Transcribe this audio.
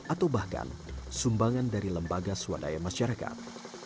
atau bahkan sumbangan dari lembaga swadaya masyarakat